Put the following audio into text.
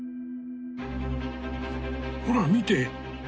ほら見て。